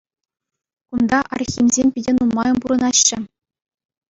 Кунта Архимсем питӗ нумайӑн пурӑнаҫҫӗ.